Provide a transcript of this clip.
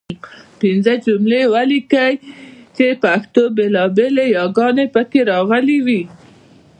پنځه جملې ولیکئ چې پښتو بېلابېلې یګانې پکې راغلي وي.